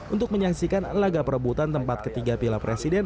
untuk menyaksikan laga perebutan tempat ketiga piala presiden